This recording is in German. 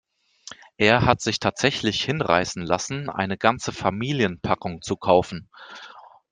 Er hat sich tatsächlich hinreißen lassen, eine ganze Familienpackung zu kaufen.